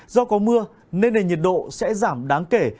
do có mưa nên nền nhiệt độ sẽ giảm đáng kể